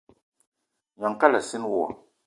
Gnong kalassina wo.